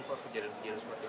apa kejadian kejadian seperti itu